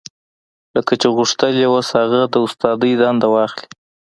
لکه چې غوښتل يې اوس هغه د استادۍ دنده واخلي.